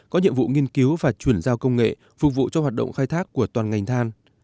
có nhiệm vụ nghiên cứu và chuyển giao công nghệ phục vụ cho hoạt động khai thác của toàn ngành than